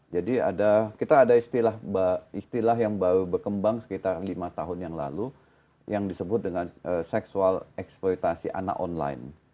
jadi kita ada istilah yang baru berkembang sekitar lima tahun yang lalu yang disebut dengan seksual eksploitasi anak online